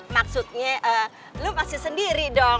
maksudnya lo masih sendiri dong